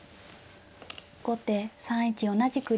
後手３一同じく竜。